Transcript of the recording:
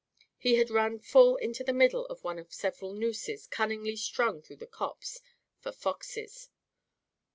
He had run full into the middle of one of several nooses, cunningly strung through the copse, for foxes.